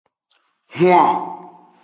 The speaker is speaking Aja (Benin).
Hwen.